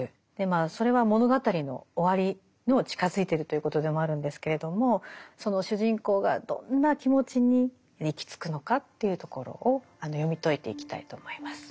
それは物語の終わりにも近づいてるということでもあるんですけれども主人公がどんな気持ちに行き着くのかというところを読み解いていきたいと思います。